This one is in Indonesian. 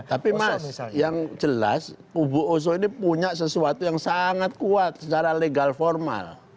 tapi mas yang jelas kubu oso ini punya sesuatu yang sangat kuat secara legal formal